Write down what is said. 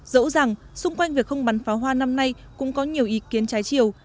dẫu rằng xung quanh việc không bắn pháo hoa năm nay cũng có nhiều ý kiến trái chiều